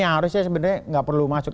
yang harusnya sebenarnya nggak perlu masuk